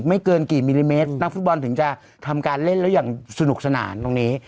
เกินกี่มิลลิเมตรนักฟุตบอลถึงจะทำการเล่นแล้วอย่างสนุกสนานตรงนี้